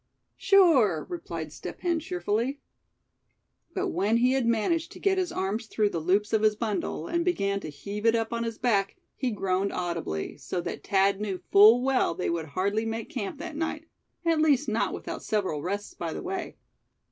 "Sure," replied Step Hen, cheerfully. But when he had managed to get his arms through the loops of his bundle, and began to heave it up on his back, he groaned audibly, so that Thad knew full well they would hardly make camp that night, at least not without several rests by the way.